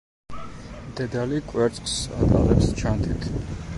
დედალი კვერცხს ატარებს ჩანთით.